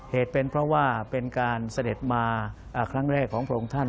เหตุเป็นเพราะว่าเป็นการเสด็จมาครั้งแรกของพระองค์ท่าน